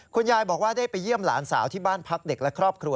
คุณยายบอกว่าได้ไปเยี่ยมหลานสาวที่บ้านพักเด็กและครอบครัว